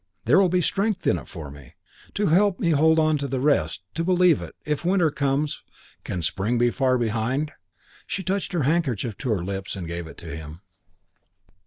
There will be strength in it for me to help me hold on to the rest to believe it 'If Winter comes Can Spring be far behind?'" She touched her handkerchief to her lips and gave it to him.